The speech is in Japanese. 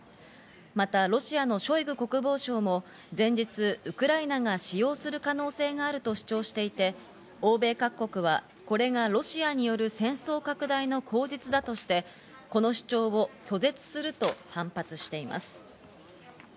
またロシアのショイグ国防相も前日、ウクライナが使用する可能性があると主張していて、欧米各国はこれがロシアによる戦争拡大の口実だとしてこの主張を拒絶すると反発しています。